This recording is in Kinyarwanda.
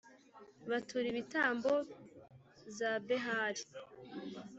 batura ibitambo za Behali,